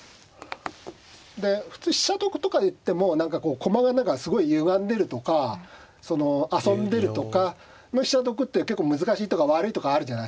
で普通飛車得とかいっても何かこう駒が何かすごいゆがんでるとかその遊んでるとか飛車得って結構難しいとか悪いとかあるじゃないですか。